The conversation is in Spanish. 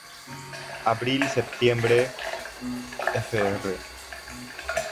Abril-septiembre, fr.